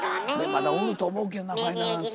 まだおると思うけどなファイナルアンサーは。